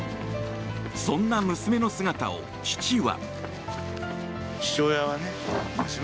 そんな娘の姿を父は。